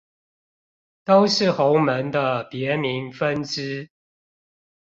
都是洪門的別名分支